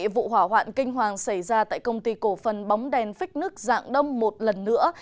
vụ hỏa hoạn kinh hoàng xảy ra tại công ty cổ phần bóng đèn phích nước dạng đông một lần nữa